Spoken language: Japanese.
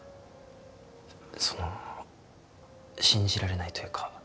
その信じられないというか